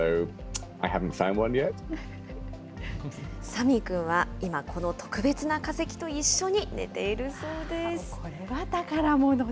サミーくんは、今、この特別な化石と一緒に寝ているそうです。